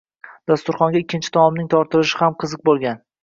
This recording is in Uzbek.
Dasturxonga ikkinchi taomning tortilishi ham qiziq bo’lgan.